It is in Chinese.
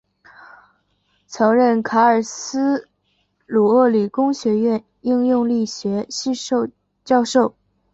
曾任卡尔斯鲁厄理工学院应用力学系教授。